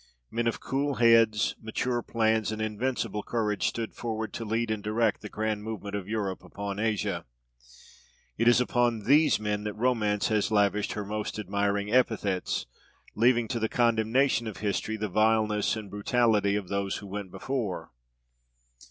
Men of cool heads, mature plans, and invincible courage stood forward to lead and direct the grand movement of Europe upon Asia. It is upon these men that romance has lavished her most admiring epithets, leaving to the condemnation of history the vileness and brutality of those who went before.